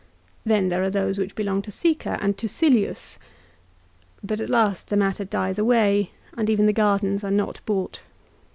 Then there are those which belong to Sica and to Silius ! But at last the matter dies away, and even the gardens are not bought.